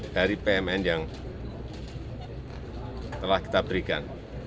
dari pmn yang telah kita berikan